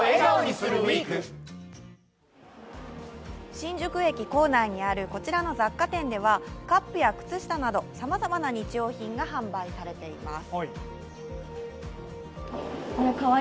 新宿駅構内にあるこちらの雑貨店では、カップや靴下など、さまざまな日用品が販売されています。